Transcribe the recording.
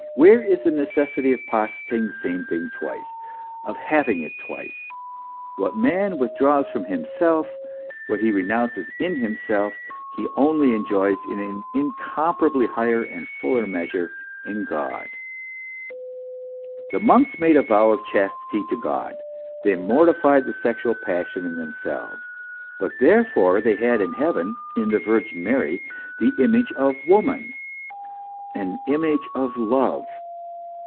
Where is the neces sity of positing the same thing twice, of having it twice? What man withdraws from himself, what he renounces in .himself, he only enjoys in an incomparably higher and fuller measure in God. The monks made a vow of chastity to God ; they morti fied the sexual passion in themselves, but therefore they had in Heaven, in the Virgin Mary, the image of woman an image of love.